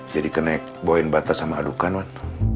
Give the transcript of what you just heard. jadi kena bawain batas sama adukan